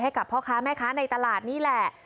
ให้กับพ่อค้าแม่ค้าในตลาดนี่แหละ